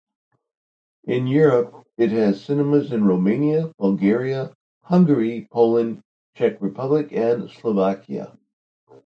In Europe it has cinemas in Romania, Bulgaria, Hungary, Poland, Czech Republic and Slovakia.